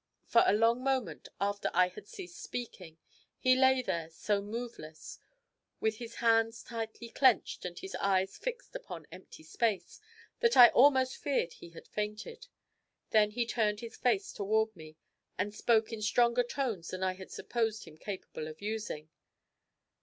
For a long moment after I had ceased speaking he lay there so moveless, with his hands tightly clenched and his eyes fixed upon empty space, that I almost feared he had fainted; then he turned his face toward me and spoke in stronger tones than I had supposed him capable of using.